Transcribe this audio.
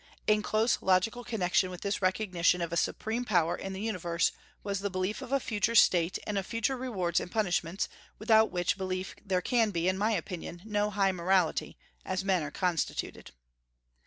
In close logical connection with this recognition of a supreme power in the universe was the belief of a future state and of future rewards and punishments, without which belief there can be, in my opinion, no high morality, as men are constituted.